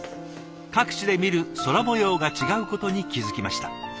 各地で見る空もようが違うことに気付きました。